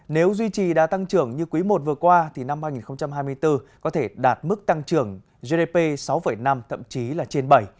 nếu duy trì đã tăng trưởng như quý i vừa qua thì năm hai nghìn hai mươi bốn có thể đạt mức tăng trưởng gdp sáu năm thậm chí là trên bảy